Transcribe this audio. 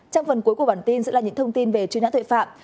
trong phần cuối của bản tin sẽ là những thông tin về chuyên án thuệ phạm